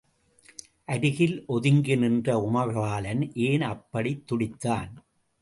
அருகில் ஒதுங்கி நின்ற உமைபாலன் ஏன் அப்படித் துடித்தான்?